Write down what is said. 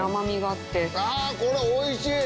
あこれおいしい。